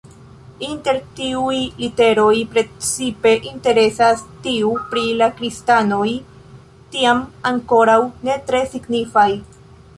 Inter tiuj leteroj precipe interesas tiu pri la kristanoj, tiam ankoraŭ ne tre signifaj.